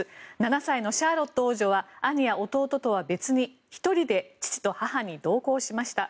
７歳のシャーロット王女は兄や弟とは別に１人で父と母に同行しました。